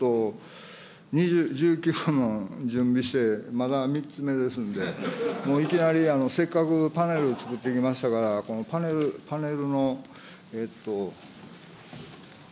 １９問、準備して、まだ３つ目ですんで、もういきなりせっかくパネル作ってきましたから、このパネル、パネルの。